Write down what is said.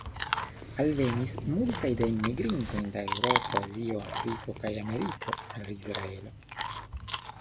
Alvenis multaj da enmigrintoj de Eŭropo, Azio, Afriko kaj Ameriko al Israelo.